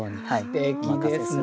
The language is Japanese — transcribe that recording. すてきですね。